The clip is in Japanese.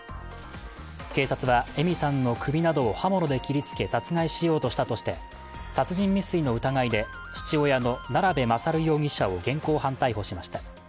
警察は、枝美さんの首などを刃物で切りつけ殺害しようとしたとして殺人未遂の疑いで父親の奈良部勝容疑者を現行犯逮捕しました。